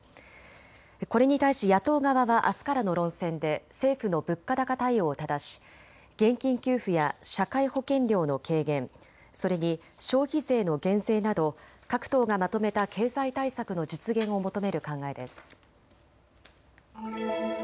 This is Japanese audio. これに対し野党側はあすからの論戦で政府の物価高対応をただし、現金給付や社会保険料の軽減、それに消費税の減税など各党がまとめた経済対策の実現を求める考えです。